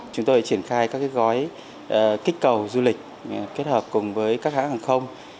chúng tôi đã triển khai các gói kích cầu du lịch kết hợp cùng với các hãng hàng không